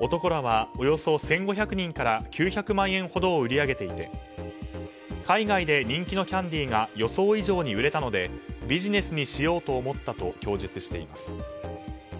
男らはおよそ１５００人から９００万円ほどを売り上げていて海外で人気のキャンディが予想以上に売れたのでビジネスにしようと思ったと供述しています。